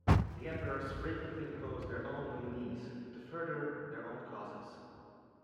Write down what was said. The emperors frequently imposed their own nominees to further their own causes.